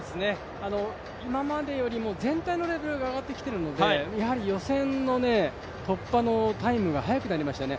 今までよりも全体のレベルが上がってきているので予選の突破のタイムが速くなりましたね。